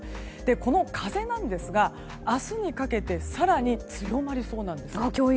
この風ですが、明日にかけて更に強まりそうなんです。